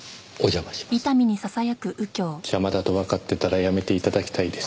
邪魔だとわかってたらやめて頂きたいです。